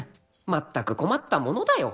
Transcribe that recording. まったく困ったものだよ